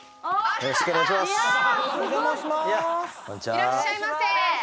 いらっしゃいませ！